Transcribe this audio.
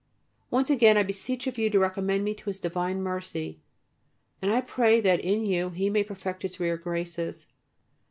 Once again I beseech of you to recommend me to His divine mercy, and I pray that in you He may perfect His rare graces.